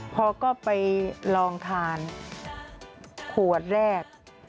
พอก็ไปลองทานขวดแรก